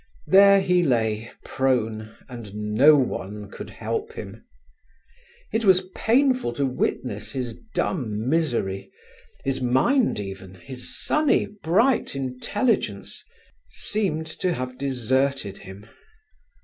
There he lay prone, and no one could help him. It was painful to witness his dumb misery: his mind even, his sunny bright intelligence, seemed to have deserted him.